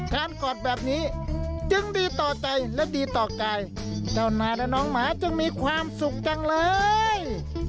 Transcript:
กอดแบบนี้จึงดีต่อใจและดีต่อกายเจ้านายและน้องหมาจึงมีความสุขจังเลย